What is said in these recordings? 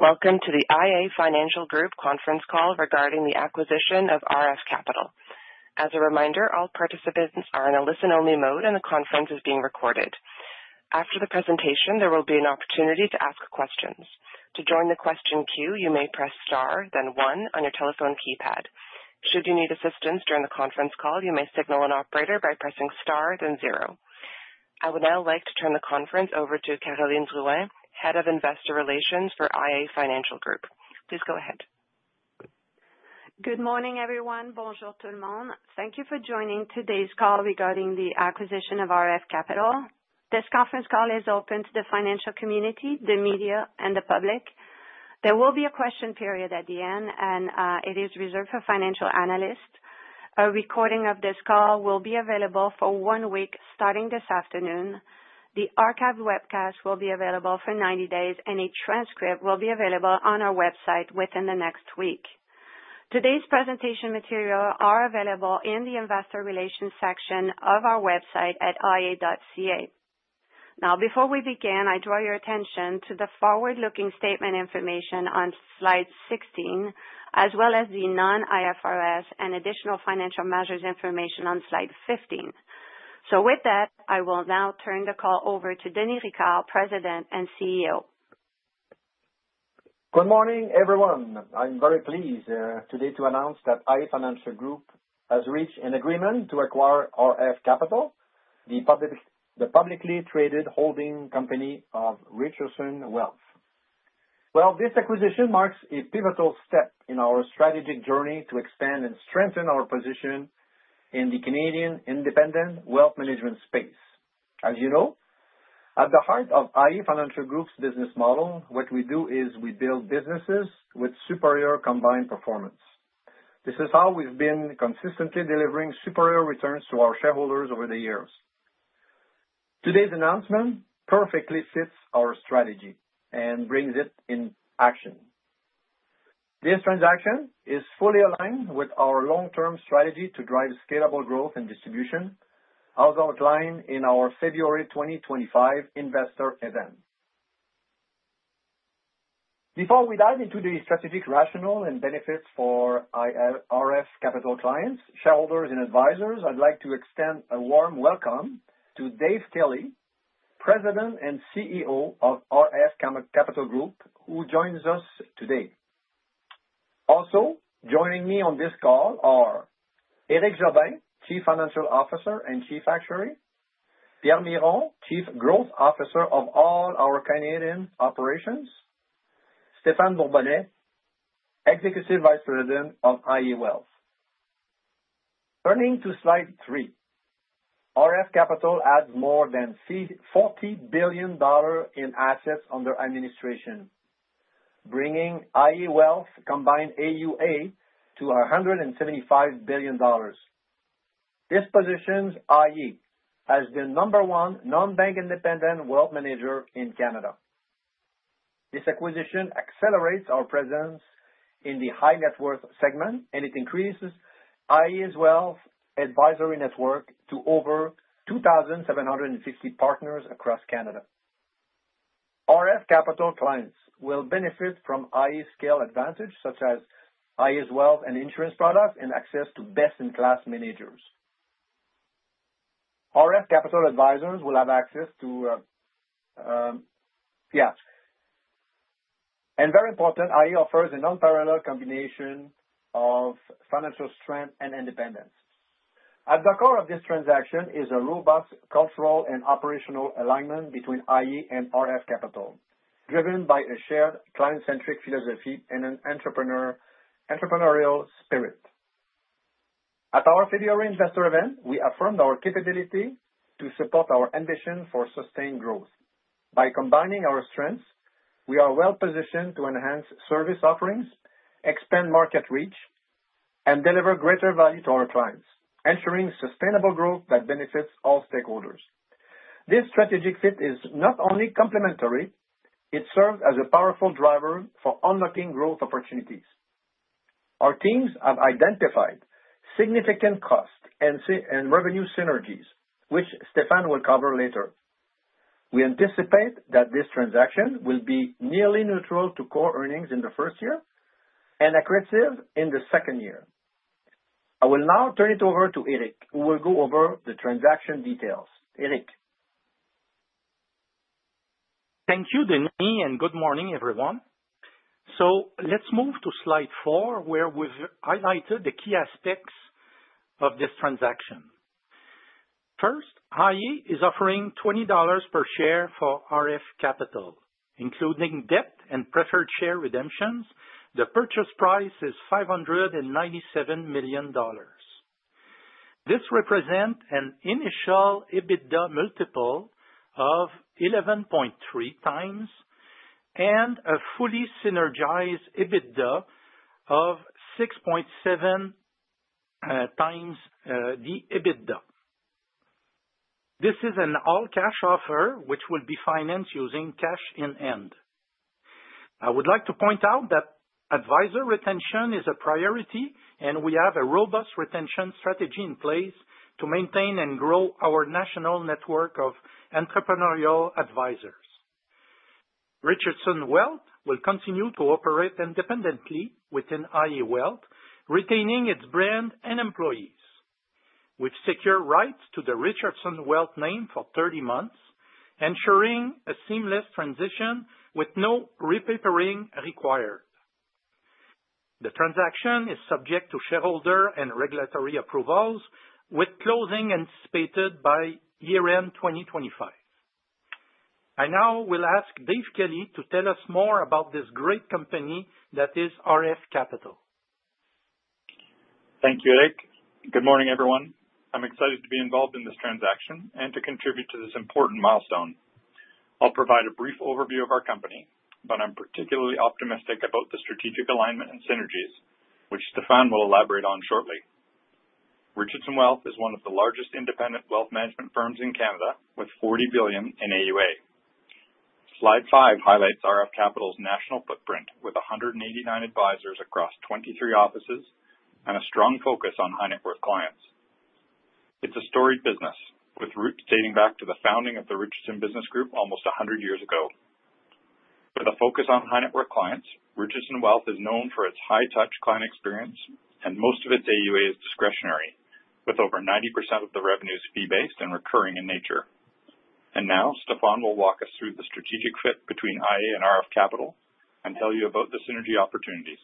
Welcome to the iA Financial Group conference call regarding the acquisition of RF Capital. As a reminder, all participants are in a listen-only mode, and the conference is being recorded. After the presentation, there will be an opportunity to ask questions. To join the question queue, you may press star, then one, on your telephone keypad. Should you need assistance during the conference call, you may signal an operator by pressing star, then zero. I would now like to turn the conference over to Caroline Drouin, Head of Investor Relations for iA Financial Group. Please go ahead. Good morning, everyone. Bonjour tout le monde. Thank you for joining today's call regarding the acquisition of RF Capital. This conference call is open to the financial community, the media, and the public. There will be a question period at the end, and it is reserved for financial analysts. A recording of this call will be available for one week starting this afternoon. The archived webcast will be available for 90 days, and a transcript will be available on our website within the next week. Today's presentation materials are available in the Investor Relations section of our website at ia.ca. Now, before we begin, I draw your attention to the forward-looking statement information on slide 16, as well as the non-IFRS and additional financial measures information on slide 15. With that, I will now turn the call over to Denis Ricard, President and CEO. Good morning, everyone. I'm very pleased today to announce that iA Financial Group has reached an agreement to acquire RF Capital, the publicly traded holding company of Richardson Wealth. This acquisition marks a pivotal step in our strategic journey to expand and strengthen our position in the Canadian independent wealth management space. As you know, at the heart of iA Financial Group's business model, what we do is we build businesses with superior combined performance. This is how we've been consistently delivering superior returns to our shareholders over the years. Today's announcement perfectly fits our strategy and brings it in action. This transaction is fully aligned with our long-term strategy to drive scalable growth and distribution, as outlined in our February 2025 investor event. Before we dive into the strategic rationale and benefits for RF Capital Group clients, shareholders, and advisors, I'd like to extend a warm welcome to Dave Kelly, President and CEO of RF Capital Group, who joins us today. Also, joining me on this call are Éric Jobin, Chief Financial Officer and Chief Actuary; Pierre Miron, Chief Growth Officer of all our Canadian operations; and Stéphane Bourbonnais, Executive Vice President of iA Wealth. Turning to slide three. RF Capital adds more than 40 billion dollars in assets under administration, bringing iA Wealth's combined AUA to CAD 175 billion. This positions iA as the number one non-bank independent wealth manager in Canada. This acquisition accelerates our presence in the high-net-worth segment, and it increases iA Wealth's advisory network to over 2,750 partners across Canada. RF Capital clients will benefit from iA's scale advantage, such as iA's wealth and insurance products and access to best-in-class managers. RF Capital advisors will have access to, yeah. And very important, iA offers a non-parallel combination of financial strength and independence. At the core of this transaction is a robust cultural and operational alignment between iA and RF Capital, driven by a shared client-centric philosophy and an entrepreneurial spirit. At our February investor event, we affirmed our capability to support our ambition for sustained growth. By combining our strengths, we are well-positioned to enhance service offerings, expand market reach, and deliver greater value to our clients, ensuring sustainable growth that benefits all stakeholders. This strategic fit is not only complementary; it serves as a powerful driver for unlocking growth opportunities. Our teams have identified significant cost and revenue synergies, which Stéphane will cover later. We anticipate that this transaction will be nearly neutral to core earnings in the first year and accretive in the second year. I will now turn it over to Éric, who will go over the transaction details. Éric. Thank you, Denis, and good morning, everyone. Let's move to slide four, where we've highlighted the key aspects of this transaction. First, iA is offering 20 dollars per share for RF Capital, including debt and preferred share redemptions. The purchase price is 597 million dollars. This represents an initial EBITDA multiple of 11.3 times and a fully synergized EBITDA of 6.7 times the EBITDA. This is an all-cash offer, which will be financed using cash in hand. I would like to point out that advisor retention is a priority, and we have a robust retention strategy in place to maintain and grow our national network of entrepreneurial advisors. Richardson Wealth will continue to operate independently within iA Wealth, retaining its brand and employees, with secure rights to the Richardson Wealth name for 30 months, ensuring a seamless transition with no repapering required. The transaction is subject to shareholder and regulatory approvals, with closing anticipated by year-end 2025. I now will ask Dave Kelly to tell us more about this great company that is RF Capital. Thank you, Éric. Good morning, everyone. I'm excited to be involved in this transaction and to contribute to this important milestone. I'll provide a brief overview of our company, but I'm particularly optimistic about the strategic alignment and synergies, which Stéphane will elaborate on shortly. Richardson Wealth is one of the largest independent wealth management firms in Canada, with CAD 40 billion in AUA. Slide five highlights RF Capital's national footprint, with 189 advisors across 23 offices and a strong focus on high-net-worth clients. It's a storied business, with roots dating back to the founding of the Richardson Business Group almost 100 years ago. With a focus on high-net-worth clients, Richardson Wealth is known for its high-touch client experience, and most of its AUA is discretionary, with over 90% of the revenues fee-based and recurring in nature. Stéphane will walk us through the strategic fit between iA and RF Capital and tell you about the synergy opportunities.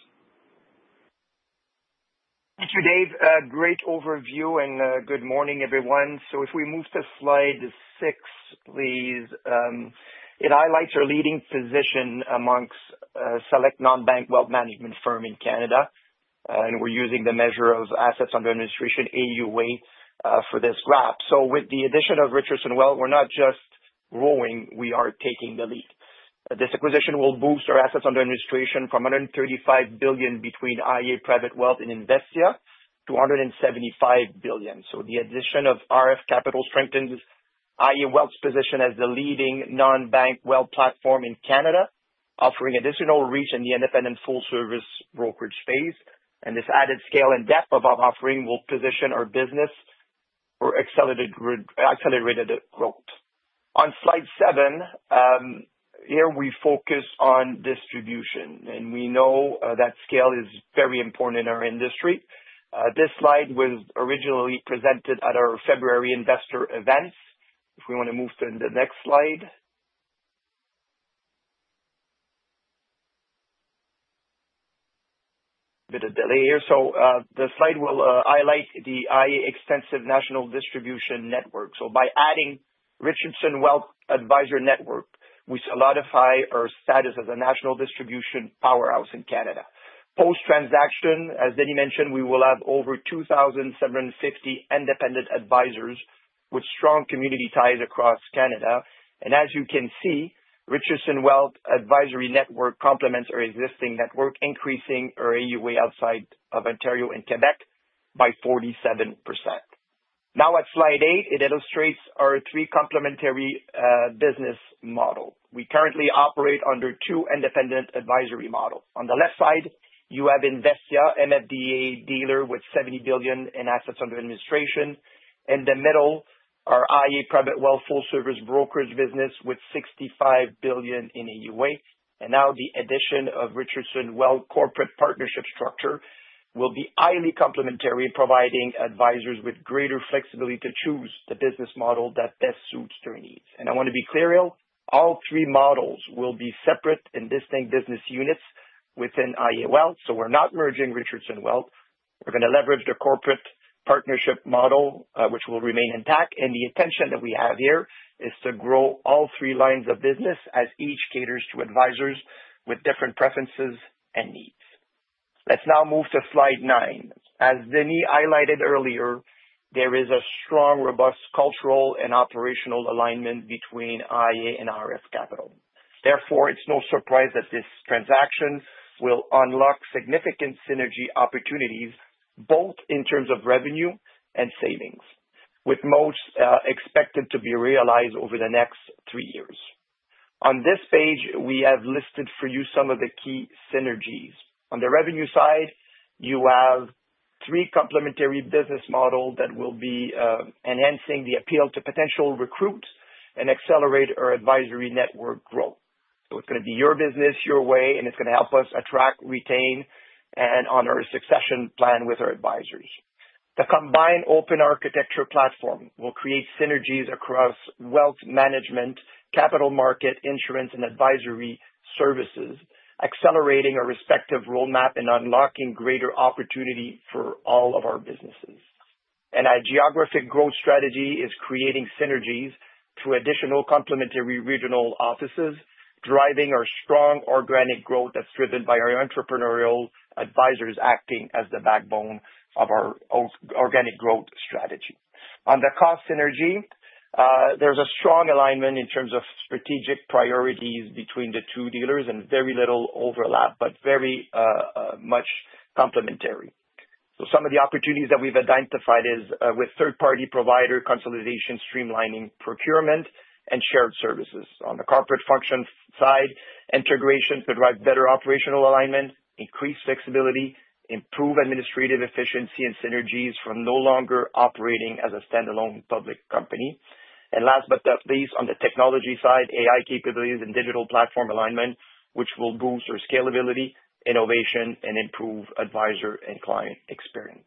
Thank you, Dave. Great overview and good morning, everyone. If we move to slide six, please. It highlights our leading position amongst a select non-bank wealth management firm in Canada, and we're using the measure of assets under administration AUA for this graph. With the addition of Richardson Wealth, we're not just growing; we are taking the lead. This acquisition will boost our assets under administration from 135 billion between iA Private Wealth and Investia to 175 billion. The addition of RF Capital strengthens iA Wealth's position as the leading non-bank wealth platform in Canada, offering additional reach in the independent full-service brokerage space. This added scale and depth of our offering will position our business for accelerated growth. On slide seven, here we focus on distribution, and we know that scale is very important in our industry. This slide was originally presented at our February investor events. If we want to move to the next slide. A bit of delay here. The slide will highlight the iA Extensive National Distribution Network. By adding Richardson Wealth Advisor Network, we solidify our status as a national distribution powerhouse in Canada. Post-transaction, as Denis mentioned, we will have over 2,750 independent advisors with strong community ties across Canada. As you can see, Richardson Wealth Advisory Network complements our existing network, increasing our AUA outside of Ontario and Quebec by 47%. Now, at slide eight, it illustrates our three-complementary business model. We currently operate under two independent advisory models. On the left side, you have Investia, MFDA dealer with 70 billion in assets under administration. In the middle, our iA Private Wealth full-service brokerage business with 65 billion in AUA. Now, the addition of Richardson Wealth corporate partnership structure will be highly complementary, providing advisors with greater flexibility to choose the business model that best suits their needs. I want to be clear; all three models will be separate and distinct business units within iA Wealth. We're not merging Richardson Wealth. We're going to leverage the corporate partnership model, which will remain intact. The intention that we have here is to grow all three lines of business as each caters to advisors with different preferences and needs. Let's now move to slide nine. As Denis highlighted earlier, there is a strong, robust cultural and operational alignment between iA and RF Capital. Therefore, it's no surprise that this transaction will unlock significant synergy opportunities, both in terms of revenue and savings, with most expected to be realized over the next three years. On this page, we have listed for you some of the key synergies. On the revenue side, you have three complementary business models that will be enhancing the appeal to potential recruit and accelerate our advisory network growth. It's going to be your business, your way, and it's going to help us attract, retain, and on our succession plan with our advisors. The combined open architecture platform will create synergies across wealth management, capital market, insurance, and advisory services, accelerating our respective roadmap and unlocking greater opportunity for all of our businesses. Our geographic growth strategy is creating synergies through additional complementary regional offices, driving our strong organic growth that is driven by our entrepreneurial advisors acting as the backbone of our organic growth strategy. On the cost synergy, there is a strong alignment in terms of strategic priorities between the two dealers and very little overlap, but very much complementary. Some of the opportunities that we have identified are with third-party provider consolidation, streamlining procurement, and shared services. On the corporate function side, integration could drive better operational alignment, increase flexibility, improve administrative efficiency, and synergies from no longer operating as a standalone public company. Last but not least, on the technology side, AI capabilities and digital platform alignment, which will boost our scalability, innovation, and improve advisor and client experience.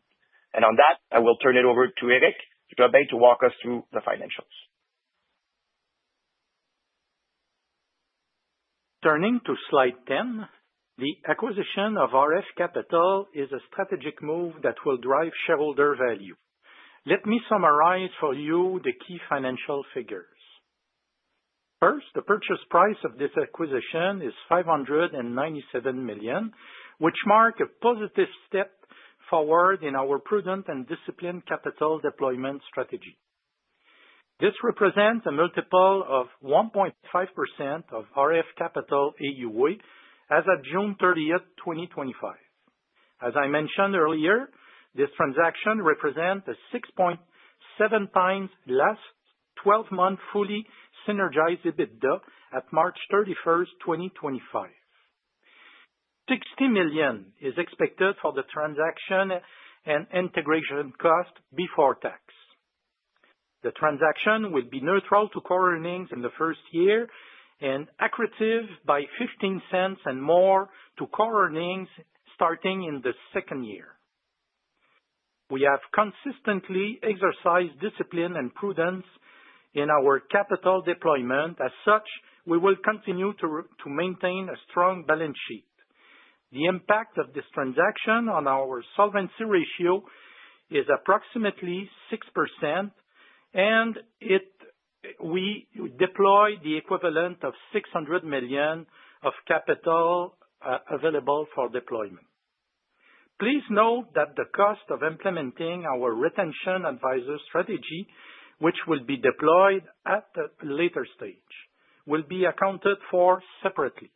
On that, I will turn it over to Éric Jobin to walk us through the financials. Turning to slide 10, the acquisition of RF Capital is a strategic move that will drive shareholder value. Let me summarize for you the key financial figures. First, the purchase price of this acquisition is 597 million, which marks a positive step forward in our prudent and disciplined capital deployment strategy. This represents a multiple of 1.5% of RF Capital AUA as of June 30, 2025. As I mentioned earlier, this transaction represents a 6.7 times last 12-month fully synergized EBITDA at March 31, 2025. 60 million is expected for the transaction and integration cost before tax. The transaction will be neutral to core earnings in the first year and accretive by 0.15 and more to core earnings starting in the second year. We have consistently exercised discipline and prudence in our capital deployment. As such, we will continue to maintain a strong balance sheet. The impact of this transaction on our solvency ratio is approximately 6%. We deploy the equivalent of 600 million of capital available for deployment. Please note that the cost of implementing our retention advisor strategy, which will be deployed at a later stage, will be accounted for separately.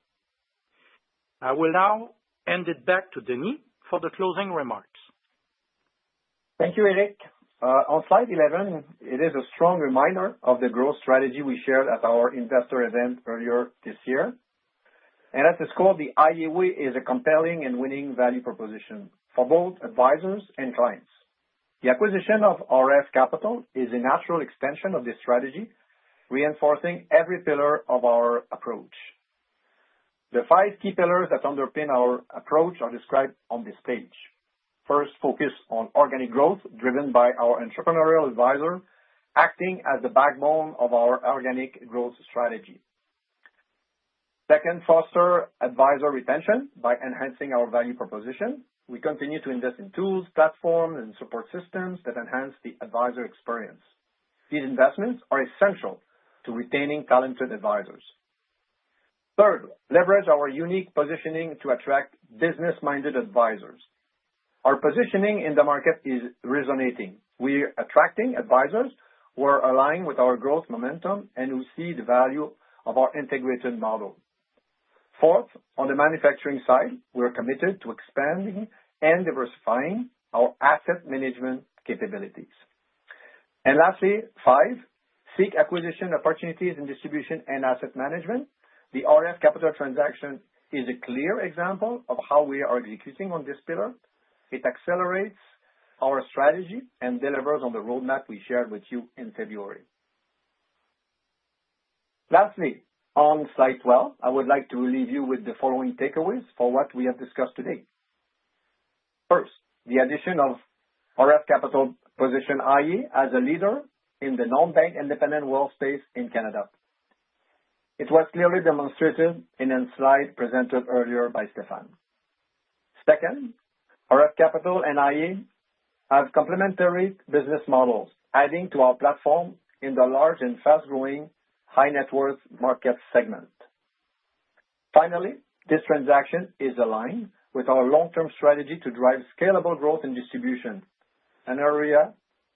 I will now hand it back to Denis for the closing remarks. Thank you, Éric. On slide 11, it is a strong reminder of the growth strategy we shared at our investor event earlier this year. At this call, the AUA is a compelling and winning value proposition for both advisors and clients. The acquisition of RF Capital is a natural extension of this strategy, reinforcing every pillar of our approach. The five key pillars that underpin our approach are described on this page. First, focus on organic growth driven by our entrepreneurial advisor acting as the backbone of our organic growth strategy. Second, foster advisor retention by enhancing our value proposition. We continue to invest in tools, platforms, and support systems that enhance the advisor experience. These investments are essential to retaining talented advisors. Third, leverage our unique positioning to attract business-minded advisors. Our positioning in the market is resonating. We are attracting advisors who are aligned with our growth momentum, and we see the value of our integrated model. Fourth, on the manufacturing side, we are committed to expanding and diversifying our asset management capabilities. Lastly, five, seek acquisition opportunities in distribution and asset management. The RF Capital transaction is a clear example of how we are executing on this pillar. It accelerates our strategy and delivers on the roadmap we shared with you in February. Lastly, on slide 12, I would like to leave you with the following takeaways for what we have discussed today. First, the addition of RF Capital positions IA as a leader in the non-bank independent wealth space in Canada. It was clearly demonstrated in a slide presented earlier by Stéphane. Second, RF Capital and IA have complementary business models, adding to our platform in the large and fast-growing high-net-worth market segment. Finally, this transaction is aligned with our long-term strategy to drive scalable growth and distribution, an area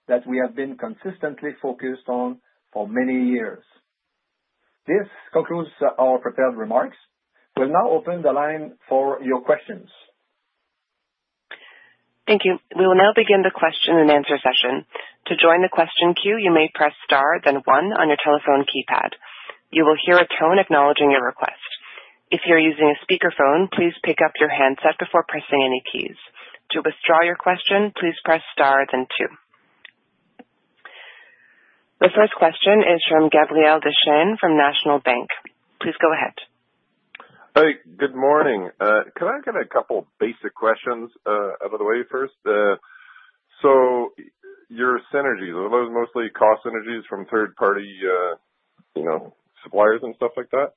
that we have been consistently focused on for many years. This concludes our prepared remarks. We'll now open the line for your questions. Thank you. We will now begin the question-and-answer session. To join the question queue, you may press star, then one on your telephone keypad. You will hear a tone acknowledging your request. If you're using a speakerphone, please pick up your handset before pressing any keys. To withdraw your question, please press star, then two. The first question is from Gabriel Dechaine from National Bank. Please go ahead. Hey, good morning. Can I get a couple of basic questions out of the way first? Your synergies, are those mostly cost synergies from third-party suppliers and stuff like that?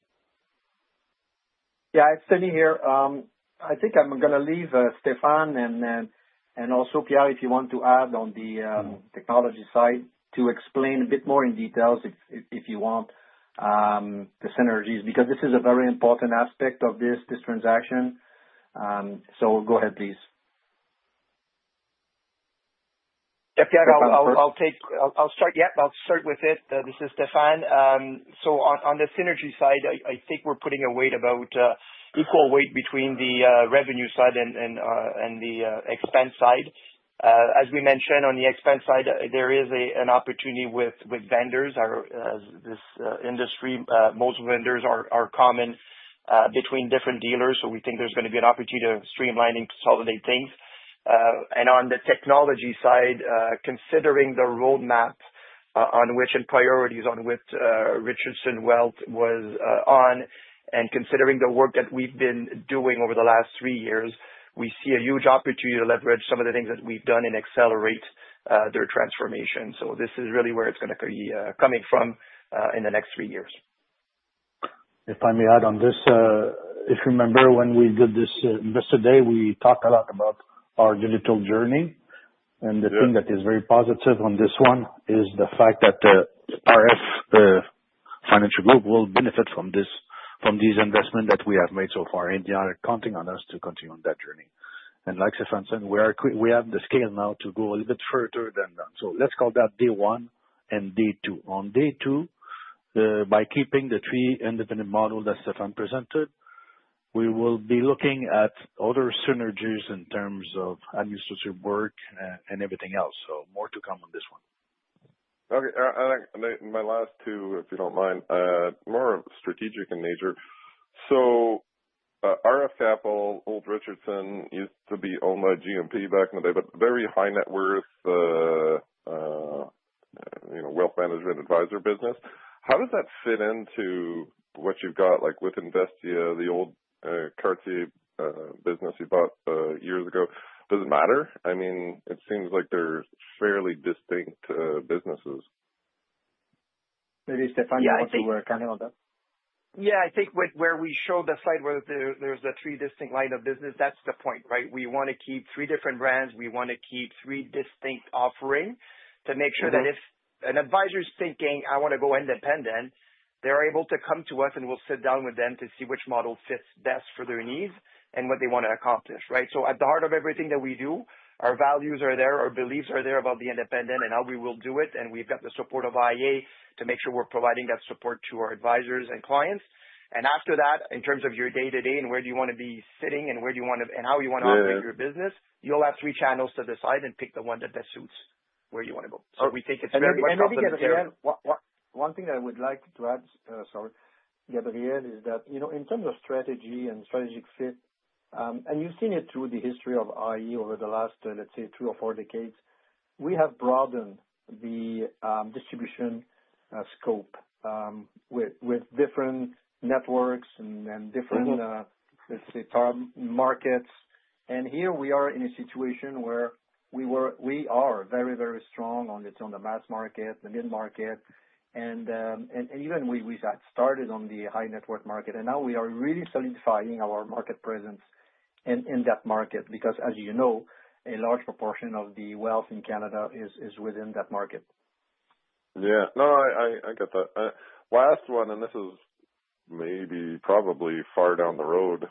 Yeah, it's Denis here. I think I'm going to leave Stéphane and also Pierre, if you want to add on the technology side to explain a bit more in details if you want. The synergies, because this is a very important aspect of this transaction. Go ahead, please. Yeah, Pierre, I'll start. Yeah, I'll start with it. This is Stéphane. On the synergy side, I think we're putting about equal weight between the revenue side and the expense side. As we mentioned, on the expense side, there is an opportunity with vendors. This industry, most vendors are common between different dealers. We think there's going to be an opportunity to streamline and consolidate things. On the technology side, considering the roadmap and priorities on which Richardson Wealth was on, and considering the work that we've been doing over the last three years, we see a huge opportunity to leverage some of the things that we've done and accelerate their transformation. This is really where it's going to be coming from in the next three years. If I may add on this, if you remember when we did this investor day, we talked a lot about our digital journey. The thing that is very positive on this one is the fact that RF Capital Group will benefit from these investments that we have made so far. They are counting on us to continue on that journey. Like Stéphane said, we have the skill now to go a little bit further than that. Let's call that day one and day two. On day two, by keeping the three independent models that Stéphane presented, we will be looking at other synergies in terms of administrative work and everything else. More to come on this one. Okay. My last two, if you don't mind, are more strategic in nature. RF Capital, old Richardson, used to be owned by GMP back in the day, but very high-net-worth wealth management advisor business. How does that fit into what you've got with Investia, the old Cartier business you bought years ago? Does it matter? I mean, it seems like they're fairly distinct businesses. Maybe Stéphane might be more can add on that. Yeah, I think where we show the slide where there's a three-distinct line of business, that's the point, right? We want to keep three different brands. We want to keep three distinct offerings to make sure that if an advisor is thinking, "I want to go independent," they're able to come to us, and we'll sit down with them to see which model fits best for their needs and what they want to accomplish, right? At the heart of everything that we do, our values are there, our beliefs are there about being independent and how we will do it. We've got the support of iA to make sure we're providing that support to our advisors and clients. After that, in terms of your day-to-day and where do you want to be sitting and where do you want to and how you want to operate your business, you'll have three channels to decide and pick the one that best suits where you want to go. We think it's very much possible. Maybe Gabriel, one thing that I would like to add, sorry, Gabriel, is that in terms of strategy and strategic fit, and you have seen it through the history of iA over the last, let's say, three or four decades, we have broadened the distribution scope with different networks and different, let's say, target markets. Here we are in a situation where we are very, very strong on the mass market, the mid-market, and even we started on the high-net-worth market. Now we are really solidifying our market presence in that market because, as you know, a large proportion of the wealth in Canada is within that market. Yeah. No, I get that. Last one, and this is maybe probably far down the road.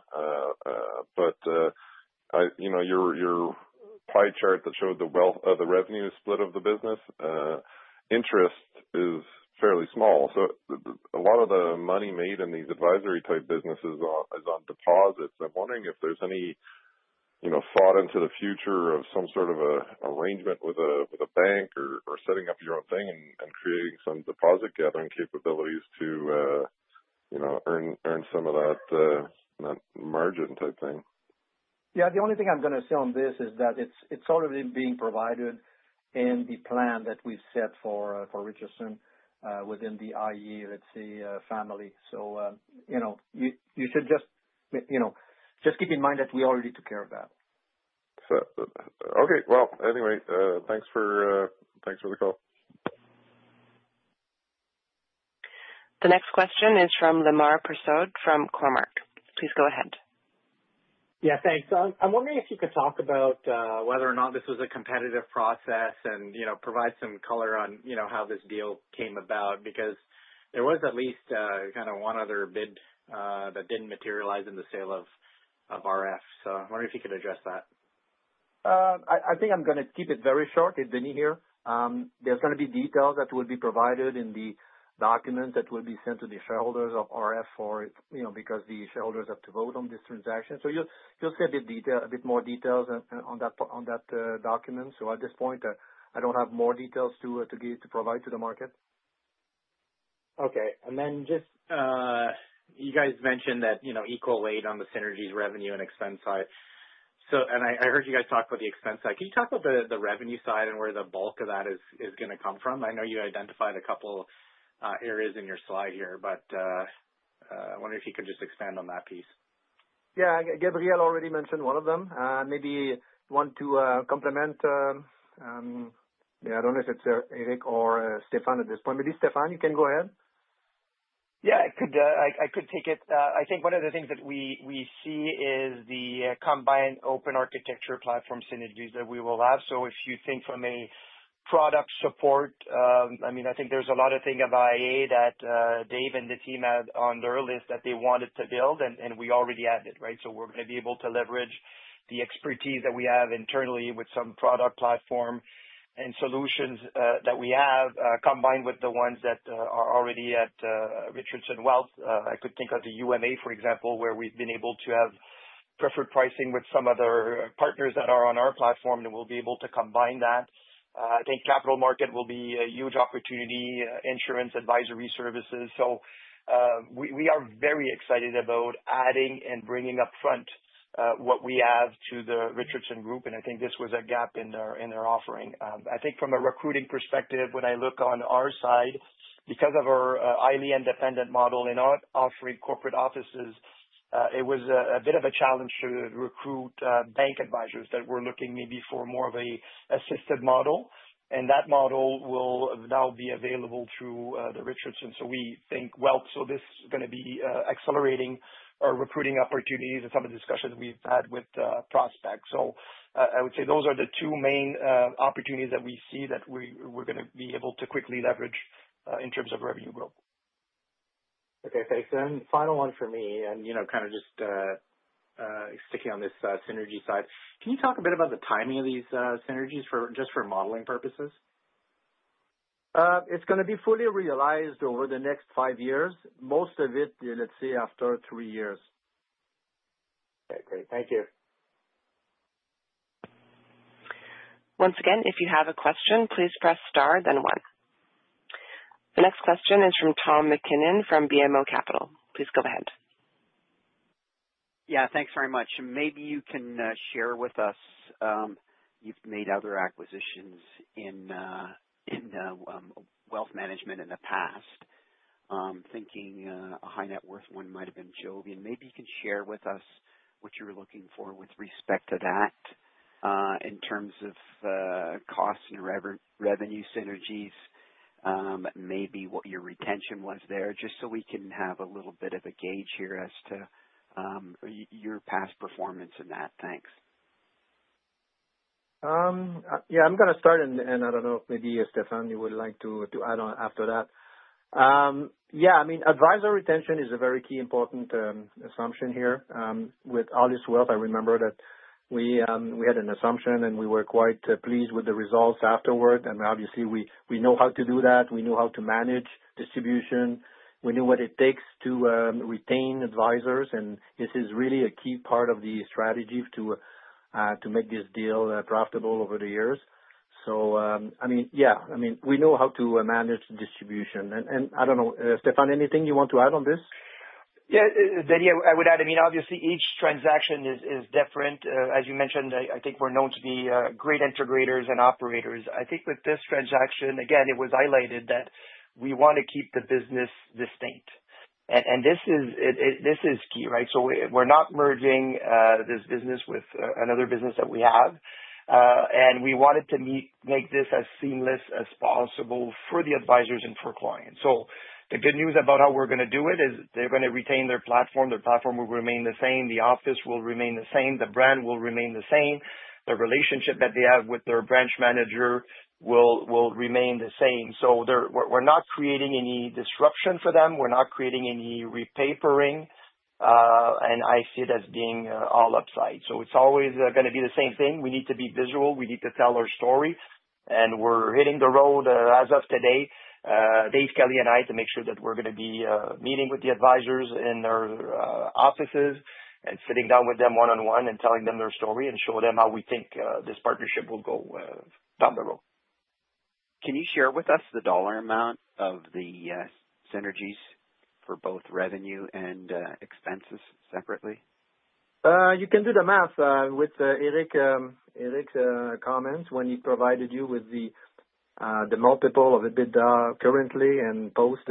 Your pie chart that showed the wealth of the revenue split of the business. Interest is fairly small. A lot of the money made in these advisory-type businesses is on deposits. I'm wondering if there's any thought into the future of some sort of arrangement with a bank or setting up your own thing and creating some deposit-gathering capabilities to earn some of that margin type thing. Yeah, the only thing I'm going to say on this is that it's already being provided in the plan that we've set for Richardson within the iA, let's say, family. You should just keep in mind that we already took care of that. Okay. Anyway, thanks for the call. The next question is from Lemar Persaud from Cormark. Please go ahead. Yeah, thanks. I'm wondering if you could talk about whether or not this was a competitive process and provide some color on how this deal came about because there was at least kind of one other bid that didn't materialize in the sale of RF. I wonder if you could address that. I think I'm going to keep it very short, Denis here. There are going to be details that will be provided in the documents that will be sent to the shareholders of RF because the shareholders have to vote on this transaction. You will see a bit more details in that document. At this point, I do not have more details to provide to the market. Okay. And then just, you guys mentioned that equal weight on the synergies, revenue, and expense side. I heard you guys talk about the expense side. Can you talk about the revenue side and where the bulk of that is going to come from? I know you identified a couple of areas in your slide here, but I wonder if you could just expand on that piece. Yeah, Gabriel already mentioned one of them. Maybe one to complement. Yeah, I do not know if it is Éric or Stéphane at this point. Maybe Stéphane, you can go ahead. Yeah, I could take it. I think one of the things that we see is the combined open architecture platform synergies that we will have. If you think from a product support, I mean, I think there's a lot of things about iA that Dave and the team had on their list that they wanted to build, and we already added, right? We're going to be able to leverage the expertise that we have internally with some product platform and solutions that we have combined with the ones that are already at Richardson Wealth. I could think of the UMA, for example, where we've been able to have preferred pricing with some other partners that are on our platform, and we'll be able to combine that. I think capital market will be a huge opportunity, insurance, advisory services. We are very excited about adding and bringing upfront what we have to the Richardson Group, and I think this was a gap in their offering. I think from a recruiting perspective, when I look on our side, because of our iA independent model and not offering corporate offices, it was a bit of a challenge to recruit bank advisors that were looking maybe for more of an assisted model. That model will now be available through the Richardson. We think this is going to be accelerating our recruiting opportunities and some of the discussions we've had with prospects. I would say those are the two main opportunities that we see that we're going to be able to quickly leverage in terms of revenue growth. Okay, thanks. Final one for me, and kind of just sticking on this synergy side. Can you talk a bit about the timing of these synergies just for modeling purposes? It's going to be fully realized over the next five years. Most of it, let's say, after three years. Okay, great. Thank you. Once again, if you have a question, please press star, then one. The next question is from Tom MacKinnon from BMO Capital. Please go ahead. Yeah, thanks very much. Maybe you can share with us. You've made other acquisitions in wealth management in the past. Thinking a high-net-worth one might have been Jobin. Maybe you can share with us what you were looking for with respect to that. In terms of cost and revenue synergies. Maybe what your retention was there, just so we can have a little bit of a gauge here as to your past performance in that. Thanks. Yeah, I'm going to start, and I don't know if maybe Stéphane would like to add on after that. Yeah, I mean, advisor retention is a very key important assumption here. With iA Wealth, I remember that we had an assumption, and we were quite pleased with the results afterward. Obviously, we know how to do that. We know how to manage distribution. We know what it takes to retain advisors. This is really a key part of the strategy to make this deal profitable over the years. I mean, yeah, we know how to manage distribution. I don't know, Stéphane, anything you want to add on this. Yeah, Denis, I would add, I mean, obviously, each transaction is different. As you mentioned, I think we're known to be great integrators and operators. I think with this transaction, again, it was highlighted that we want to keep the business distinct. This is key, right? We're not merging this business with another business that we have. We wanted to make this as seamless as possible for the advisors and for clients. The good news about how we're going to do it is they're going to retain their platform. Their platform will remain the same. The office will remain the same. The brand will remain the same. The relationship that they have with their branch manager will remain the same. We're not creating any disruption for them. We're not creating any repapering. I see it as being all upside. It's always going to be the same thing. We need to be visual. We need to tell our story. We're hitting the road as of today, Dave Kelly and I, to make sure that we're going to be meeting with the advisors in their offices and sitting down with them one-on-one and telling them their story and show them how we think this partnership will go down the road. Can you share with us the dollar amount of the synergies for both revenue and expenses separately? You can do the math with Éric. Comments when he provided you with the multiple of EBITDA currently and post,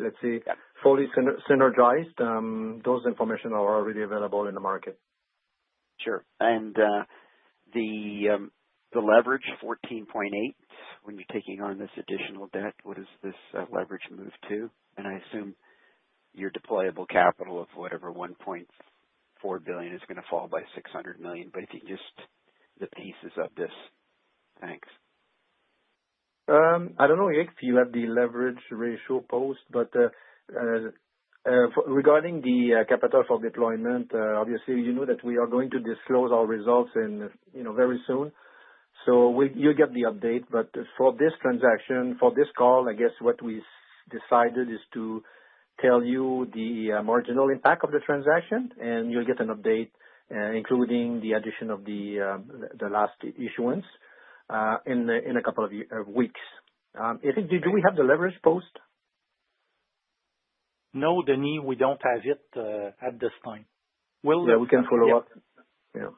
let's say, fully synergized. Those information are already available in the market. Sure. The leverage, 14.8, when you're taking on this additional debt, what does this leverage move to? I assume your deployable capital of, whatever, 1.4 billion, is going to fall by 600 million. If you can just the pieces of this. Thanks. I don't know, Éric, if you have the leverage ratio post, but regarding the capital for deployment, obviously, you know that we are going to disclose our results very soon. You will get the update. For this transaction, for this call, I guess what we decided is to tell you the marginal impact of the transaction, and you will get an update, including the addition of the last issuance, in a couple of weeks. Éric, do we have the leverage post? No, Denis, we don't have it at this time. We'll let you know. Yeah, we can follow up. Yeah.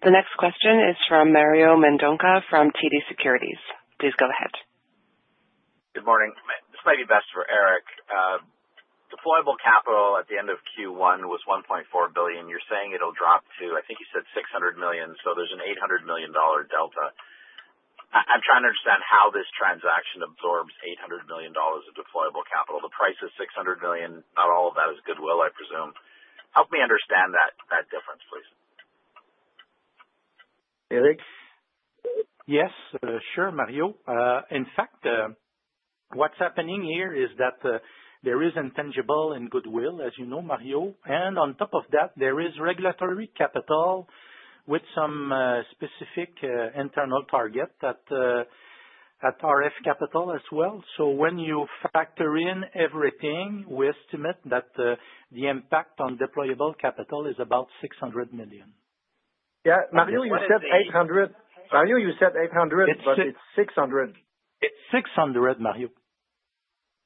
The next question is from Mario Mendonca from TD Securities. Please go ahead. Good morning. This might be best for Éric. Deployable capital at the end of Q1 was 1.4 billion. You're saying it'll drop to, I think you said, 600 million. So there's a 800 million dollar delta. I'm trying to understand how this transaction absorbs 800 million dollars of deployable capital. The price is 600 million. Not all of that is goodwill, I presume. Help me understand that difference, please. Eric? Yes, sure, Mario. In fact, what's happening here is that there is intangible and goodwill, as you know, Mario. On top of that, there is regulatory capital, with some specific internal target at RF Capital as well. When you factor in everything, we estimate that the impact on deployable capital is about 600 million. Yeah, Mario, you said 800. Mario, you said 800, but it's 600. It's 600, Mario.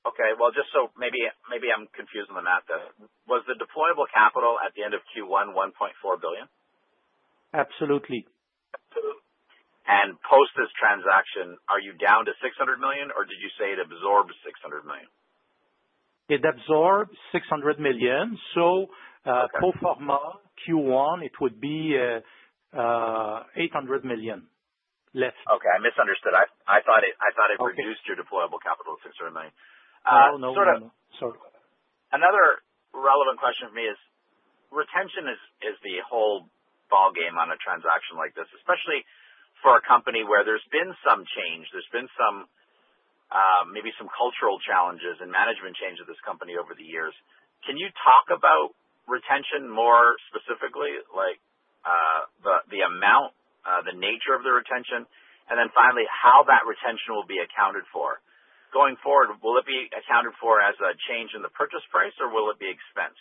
Okay. Just so maybe I'm confusing the math there. Was the deployable capital at the end of Q1 1.4 billion? Absolutely. Post this transaction, are you down to CAD 600 million, or did you say it absorbs 600 million? It absorbs 600 million. Pro forma Q1, it would be 800 million less. Okay. I misunderstood. I thought it reduced your deployable capital to 600 million. No, no, no. Sort of. Another relevant question for me is retention is the whole ballgame on a transaction like this, especially for a company where there's been some change. There's been maybe some cultural challenges and management change at this company over the years. Can you talk about retention more specifically, like the amount, the nature of the retention, and then finally, how that retention will be accounted for? Going forward, will it be accounted for as a change in the purchase price, or will it be expensed?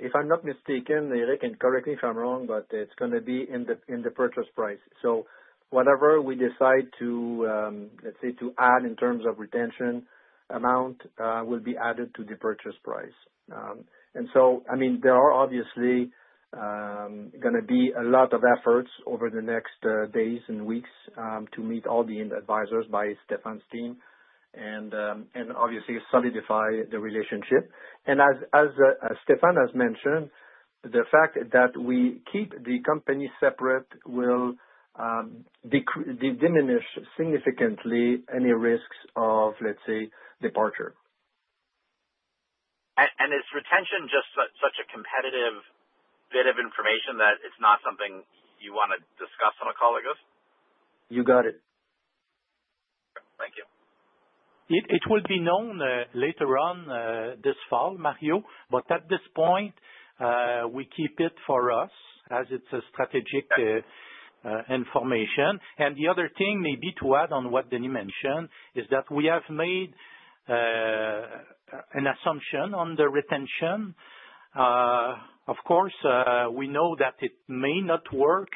If I'm not mistaken, Éric, and correct me if I'm wrong, but it's going to be in the purchase price. So whatever we decide to, let's say, to add in terms of retention amount will be added to the purchase price. I mean, there are obviously going to be a lot of efforts over the next days and weeks to meet all the advisors by Stéphane's team and obviously solidify the relationship. As Stéphane has mentioned, the fact that we keep the company separate will diminish significantly any risks of, let's say, departure. Is retention just such a competitive bit of information that it's not something you want to discuss on a call like this? You got it. Thank you. It will be known later on this fall, Mario, but at this point. We keep it for us as it's a strategic information. The other thing maybe to add on what Denis mentioned is that we have made an assumption on the retention. Of course, we know that it may not work.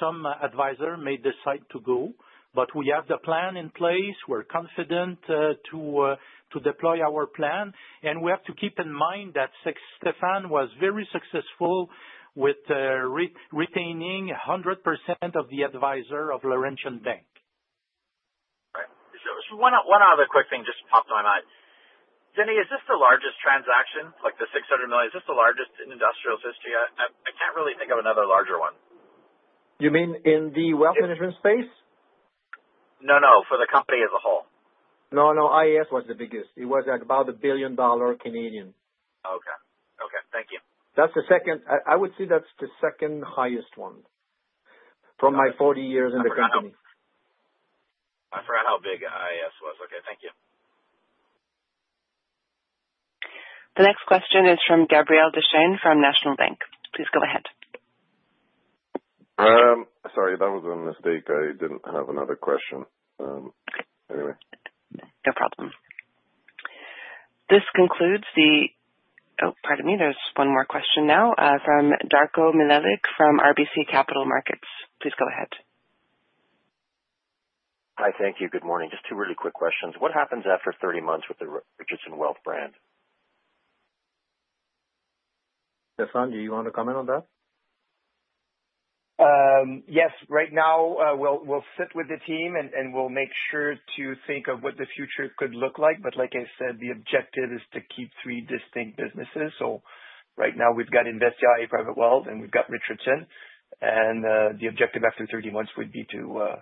Some advisor may decide to go, but we have the plan in place. We're confident to deploy our plan. We have to keep in mind that Stéphane was very successful with retaining 100% of the advisor of Laurentian Bank. Right. So one other quick thing just popped in my mind. Denis, is this the largest transaction, like the 600 million? Is this the largest in industrial history? I can't really think of another larger one. You mean in the wealth management space? No, no, for the company as a whole. No, no, IAS was the biggest. It was at about 1 billion dollar. Okay. Okay. Thank you. That's the second. I would say that's the second highest one. From my 40 years in the company. I forgot how big iA is. Okay. Thank you. The next question is from Gabriel Dechaine from National Bank. Please go ahead. Sorry, that was a mistake. I did not have another question. Anyway. No problem. This concludes the—oh, pardon me, there is one more question now from Darko Mihelic from RBC Capital Markets. Please go ahead. Hi, thank you. Good morning. Just two really quick questions. What happens after 30 months with the Richardson Wealth brand? Stéphane, do you want to comment on that? Yes. Right now, we'll sit with the team, and we'll make sure to think of what the future could look like. Like I said, the objective is to keep three distinct businesses. Right now, we've got Investia, iA Private Wealth, and we've got Richardson Wealth. The objective after 30 months would be to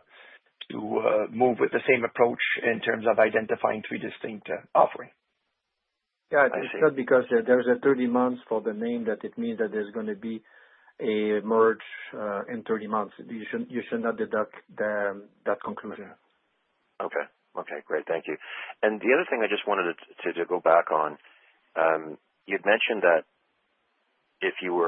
move with the same approach in terms of identifying three distinct offerings. Yeah, it's not because there's a 30 months for the name that it means that there's going to be a merge in 30 months. You should not deduct that conclusion. Okay. Great. Thank you. The other thing I just wanted to go back on, you had mentioned that if you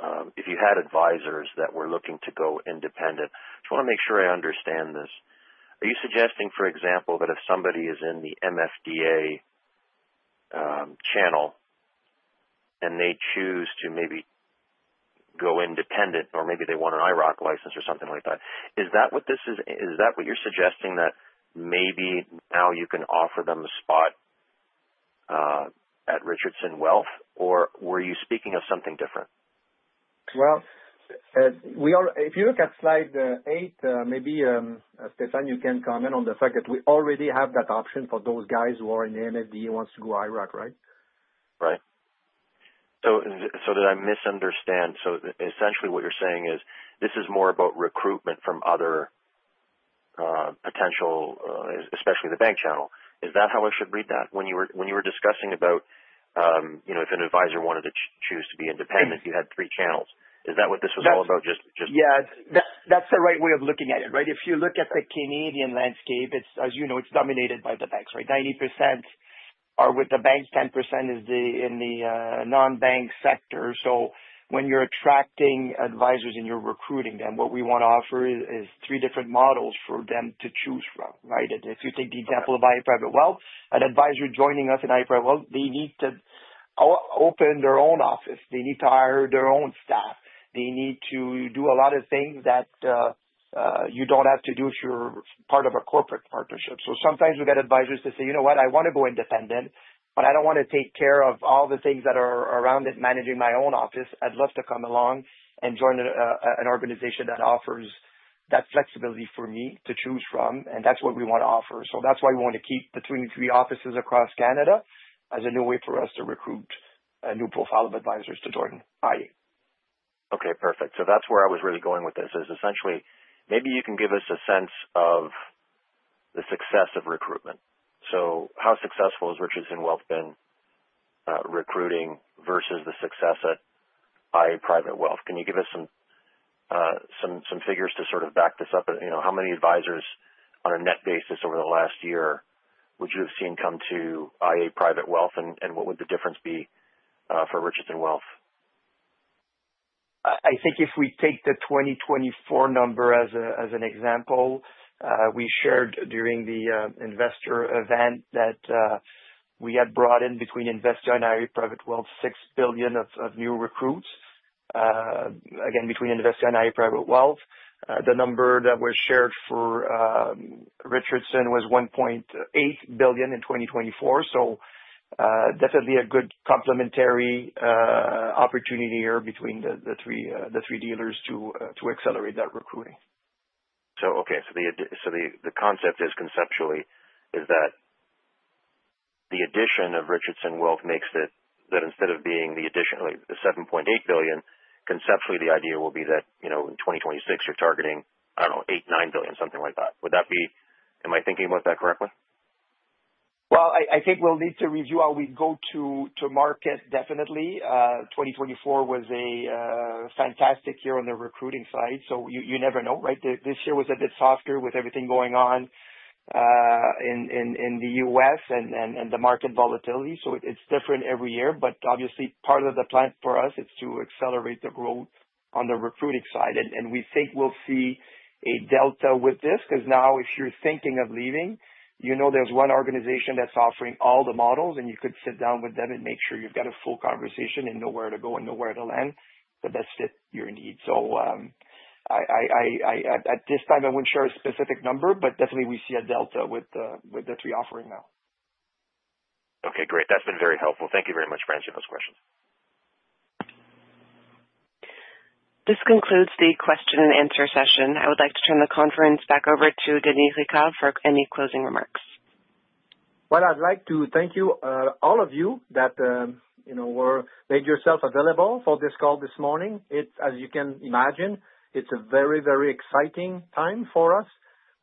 had advisors that were looking to go independent, I just want to make sure I understand this. Are you suggesting, for example, that if somebody is in the MFDA channel and they choose to maybe go independent, or maybe they want an IIROC license or something like that, is that what this is? Is that what you're suggesting, that maybe now you can offer them a spot at Richardson Wealth, or were you speaking of something different? If you look at slide eight, maybe Stéphane, you can comment on the fact that we already have that option for those guys who are in the MFDA and want to go IROC, right? Right. Did I misunderstand? Essentially, what you're saying is this is more about recruitment from other potential, especially the bank channel. Is that how I should read that? When you were discussing about if an advisor wanted to choose to be independent, you had three channels. Is that what this was all about? Yeah. That's the right way of looking at it, right? If you look at the Canadian landscape, as you know, it's dominated by the banks, right? 90% are with the banks, 10% is in the non-bank sector. When you're attracting advisors and you're recruiting them, what we want to offer is three different models for them to choose from, right? If you take the example of iA Private Wealth, an advisor joining us in iA Private Wealth, they need to open their own office. They need to hire their own staff. They need to do a lot of things that you don't have to do if you're part of a corporate partnership. Sometimes we get advisors who say, "You know what? I want to go independent, but I don't want to take care of all the things that are around it, managing my own office. I'd love to come along and join an organization that offers that flexibility for me to choose from." That's what we want to offer. That's why we want to keep the three offices across Canada as a new way for us to recruit a new profile of advisors to join iA. Okay. Perfect. That is where I was really going with this, is essentially, maybe you can give us a sense of the success of recruitment. How successful has Richardson Wealth been recruiting versus the success at iA Private Wealth? Can you give us some figures to sort of back this up? How many advisors on a net basis over the last year would you have seen come to iA Private Wealth, and what would the difference be for Richardson Wealth? I think if we take the 2024 number as an example, we shared during the investor event that we had brought in, between Investia and iA Private Wealth, 6 billion of new recruits. Again, between Investia and iA Private Wealth. The number that was shared for Richardson was 1.8 billion in 2024. Definitely a good complementary opportunity here between the three dealers to accelerate that recruiting. Okay. The concept is conceptually that the addition of Richardson Wealth makes it that instead of being the addition, like the 7.8 billion, conceptually, the idea will be that in 2026, you're targeting, I don't know, 8 billion, 9 billion, something like that. Am I thinking about that correctly? I think we'll need to review how we go to market, definitely. 2024 was a fantastic year on the recruiting side. You never know, right? This year was a bit softer with everything going on. In the U.S. and the market volatility. It is different every year. Obviously, part of the plan for us is to accelerate the growth on the recruiting side. We think we'll see a delta with this because now, if you're thinking of leaving, you know there's one organization that's offering all the models, and you could sit down with them and make sure you've got a full conversation and know where to go and know where to land. That fits your needs. At this time, I wouldn't share a specific number, but definitely, we see a delta with the three offering now. Okay. Great. That's been very helpful. Thank you very much for answering those questions. This concludes the question and answer session. I would like to turn the conference back over to Denis Ricard for any closing remarks. I would like to thank all of you that made yourself available for this call this morning. As you can imagine, it is a very, very exciting time for us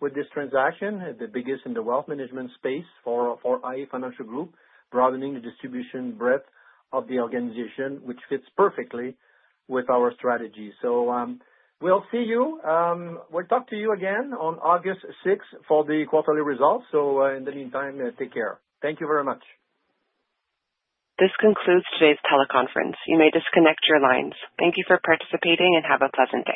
with this transaction, the biggest in the wealth management space for iA Financial Group, broadening the distribution breadth of the organization, which fits perfectly with our strategy. We will talk to you again on August 6 for the quarterly results. In the meantime, take care. Thank you very much. This concludes today's teleconference. You may disconnect your lines. Thank you for participating and have a pleasant day.